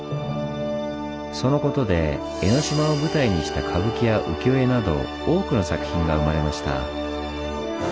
そのことで江の島を舞台にした歌舞伎や浮世絵など多くの作品が生まれました。